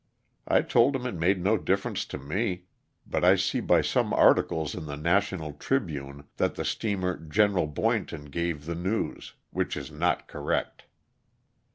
I told him it made no difference to me, but I see by some articles in the National Tribune, that the steamer '* General Boynton," gave the news, which is not correct.